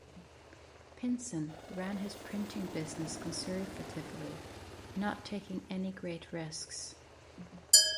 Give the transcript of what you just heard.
Pynson ran his printing business conservatively, not taking any great risks.